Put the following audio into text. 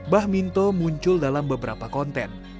bah minto muncul dalam beberapa konten